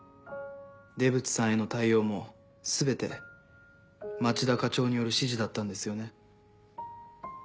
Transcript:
出渕さんへの対応も全て町田課長による指示だったんですよね。